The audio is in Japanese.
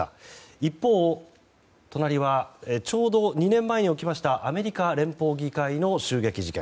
一方、隣はちょうど２年前に起きましたアメリカ連邦議会の襲撃事件。